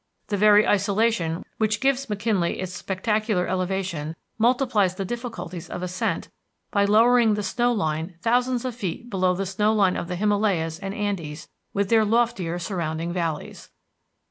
The very isolation which gives McKinley its spectacular elevation multiplies the difficulties of ascent by lowering the snow line thousands of feet below the snow line of the Himalayas and Andes with their loftier surrounding valleys.